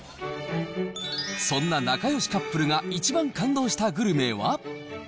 そんな仲よしカップルが一番感動したグルメは？